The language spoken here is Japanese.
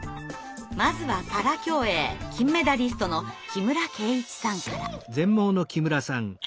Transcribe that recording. まずはパラ競泳金メダリストの木村敬一さんから。